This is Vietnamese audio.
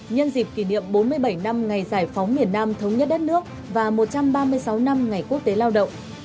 nhân dịp kỷ niệm bốn mươi bảy năm ngày giải phóng miền nam thống nhất đất nước và một trăm ba mươi sáu năm ngày quốc tế lao động